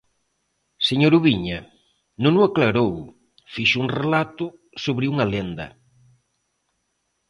Señor Ubiña, non o aclarou, fixo un relato sobre unha lenda.